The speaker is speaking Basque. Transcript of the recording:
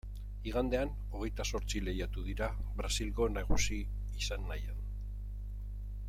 Igandean, hogeita zortzi, lehiatu dira Brasilgo nagusi izan nahian.